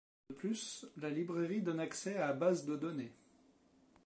De plus, la librairie donne accès à bases de données.